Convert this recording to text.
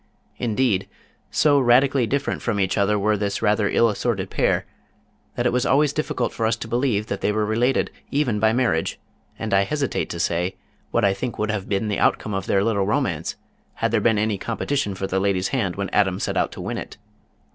Indeed, so radically different from each other were this rather ill assorted pair that it was always difficult for us to believe that they were related even by marriage, and I hesitate to say what I think would have been the outcome of their little romance had there been any competition for the lady's hand when Adam set out to win it.